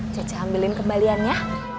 caca ambilin kembaliannya